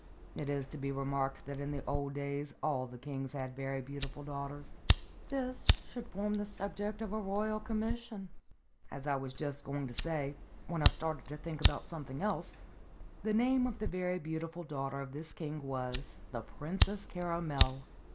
It is to be remarked that in the old days all the kings had very beautiful daughters. This should form the subject of a Royal Commission. As I was just going to say, when I started to think about something else, the name of the very beautiful daughter of this king was the Princess Caramel.